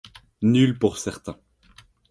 Nul pour certain.